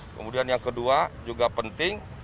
kemudian yang kedua juga penting